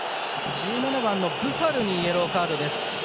１７番のブファルにイエローカードです。